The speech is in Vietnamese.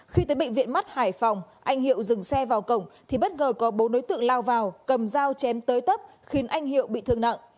khi tới bệnh viện mắt hải phòng anh hiệu dừng xe vào cổng thì bất ngờ có bốn đối tượng lao vào cầm dao chém tới tấp khiến anh hiệu bị thương nặng